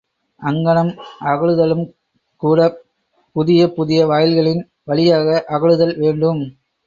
அங்ஙனம் அகலுதலும்கூடப் புதிய, புதிய வாயில்களின் வழியாக அகலுதல் வேண்டும்.